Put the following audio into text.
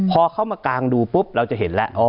พอเข้ามากางดูปุ๊บเราจะเห็นแล้ว